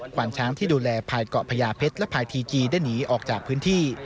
ความช้างที่ดูแลภายเกาะพญาเพชรและพายทีจีได้หนีออกจากพื้นที่